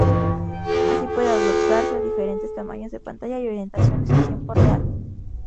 Así puede adaptarse a diferentes tamaños de pantalla y orientaciones en tiempo real.